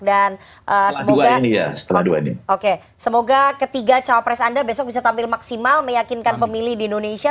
dan semoga ketiga cawapres anda besok bisa tampil maksimal meyakinkan pemilih di indonesia